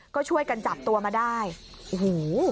ก็ช่วยกันจับตัวมาได้โอ้โห